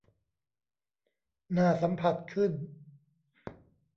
น่าสัมผัสขึ้น